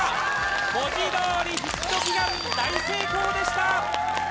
文字どおりヒット祈願大成功でした！